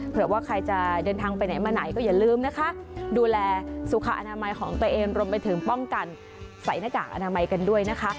เผื่อว่าใครจะเดินทางไปไหนมาไหนก็อย่าลืมนะคะดูแลสุขอนามัยของตัวเองรวมไปถึงป้องกันใส่หน้ากากอนามัยกันด้วยนะคะ